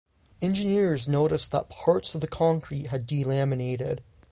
Engineers noticed that parts of the concrete had delaminated.